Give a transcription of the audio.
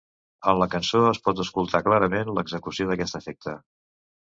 En la cançó es pot escoltar clarament l'execució d'aquest efecte.